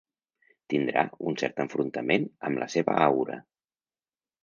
Tindrà un cert enfrontament amb la seva aura.